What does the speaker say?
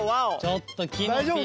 ちょっときのピー！